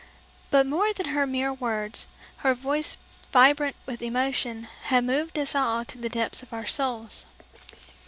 But more than her mere words, her voice vibrant with emotion had moved us all to the depths of our souls.